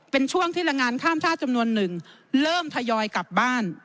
เป็นช่วงที่แรงงานข้ามชาติจำนวนหนึ่งเริ่มทยอยกลับบ้าน